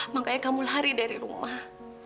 makanya kamu lari dari rumah